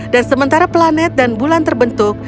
dan sementara planet dan bulan terbentuk